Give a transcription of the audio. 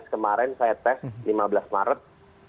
kemarin saya tes lima belas maret